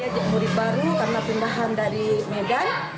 dia murid baru karena pindahan dari medan